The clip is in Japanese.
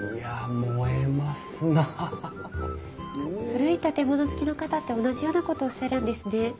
古い建物好きの方って同じようなことおっしゃるんですね。